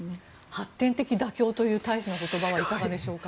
発展的妥協という大使の言葉はいかがでしょうか。